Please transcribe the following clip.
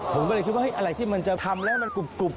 ผมก็เลยคิดว่าอะไรที่มันจะทำแล้วมันกรุบ